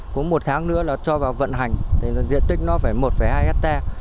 cũng một tháng nữa là cho vào vận hành thì diện tích nó phải một hai hectare